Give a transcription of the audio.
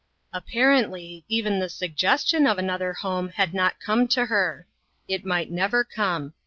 Apparently, even the suggestion of another home had not come to her. It might never come.